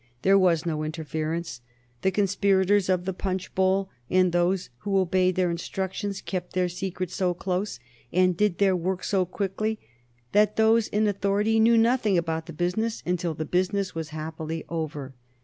There was no interference. The conspirators of the punch bowl and those who obeyed their instructions kept their secret so close, and did their work so quickly, that those in authority knew nothing about the business until the business was happily over.